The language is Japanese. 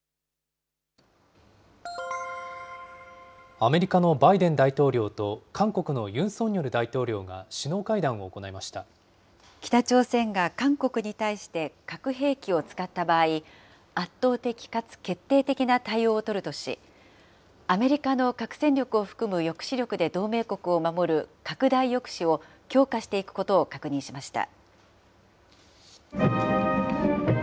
アメリカのバイデン大統領と韓国のユン・ソンニョル大統領が北朝鮮が韓国に対して核兵器を使った場合、圧倒的かつ決定的な対応を取るとし、アメリカの核戦力を含む抑止力で同盟国を守る拡大抑止を強化していくことを確認しました。